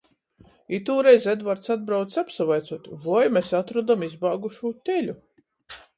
Itūreiz Edvarts atbraucs apsavaicuot, voi mes atrodom izbāgušū teļu...